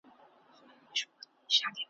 هم د کور غل دی هم دروغجن دی `